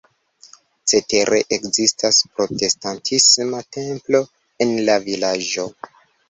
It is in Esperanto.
Cetere ekzistas protestantisma templo en la vilaĝo.